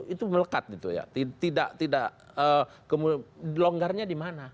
itu melekat gitu ya tidak kemudian longgarnya dimana